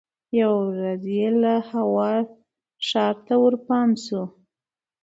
یوه ورځ یې له هوا ښار ته ورپام سو